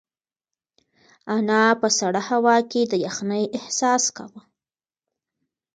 انا په سړه هوا کې د یخنۍ احساس کاوه.